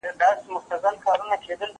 زه کولای شم کتاب ولولم!؟